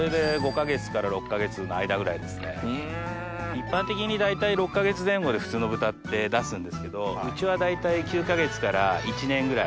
一般的に大体６か月前後で普通の豚って出すんですけどうちは大体９か月から１年ぐらい。